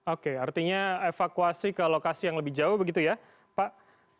oke artinya evakuasi ke lokasi yang lebih jauh begitu ya pak